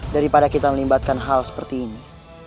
daripada kita melibatkan hal seperti ini